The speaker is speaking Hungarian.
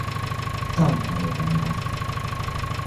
Tamperében élt.